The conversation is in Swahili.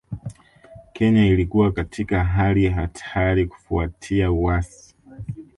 Kenya ilikuwa katika hali ya hatari kufuatia uasi